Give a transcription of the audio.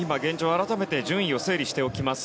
改めて順位を整理しておきます